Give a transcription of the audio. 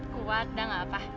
kuat udah nggak apa